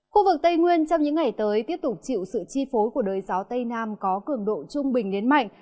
khu vực tây nguyên trong những ngày tới tiếp tục chịu sự chi phối của đới gió tây nam có cường độ trung bình đến mạnh